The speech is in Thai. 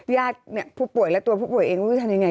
ญาตินี้ผู้ป่วยและตัวผู้ป่วยเองทำยังไง